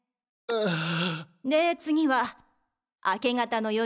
ああ。